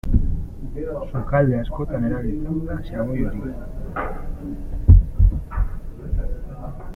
Sukalde askotan erabiltzen da xaboi hori.